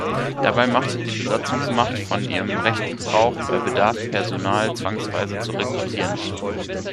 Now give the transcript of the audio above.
Dabei machte die Besatzungsmacht von ihrem Recht Gebrauch, bei Bedarf Personal zwangsweise zu rekrutieren.